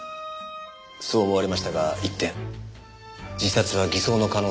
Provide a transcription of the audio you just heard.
そう思われましたが一転自殺は偽装の可能性が浮上しました。